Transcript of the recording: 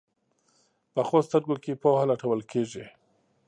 پخو سترګو کې پوهه لټول کېږي